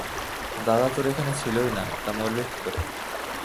দাদা তোর এখানে ছিলই না তা মারবে কী করে।